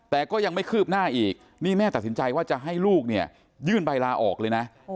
แต่ก็ยังไม่คืบหน้าอีกนี่แม่ตัดสินใจว่าจะให้ลูกเนี่ยยื่นใบลาออกเลยนะ